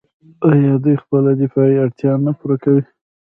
آیا دوی خپله دفاعي اړتیا نه پوره کوي؟